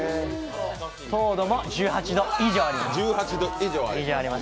糖度も１８度以上あります。